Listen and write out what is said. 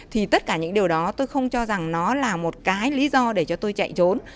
thì tất cả những điều đó tôi không cho rằng nó là một cái lý do để cho tôi chạy trốn